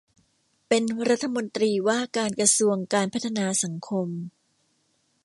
เป็นรัฐมนตรีว่าการกระทรวงการพัฒนาสังคม